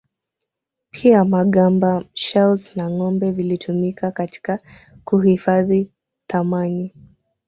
Pia magamba shells na ngombe vilitumika katika kuhifadhi thamani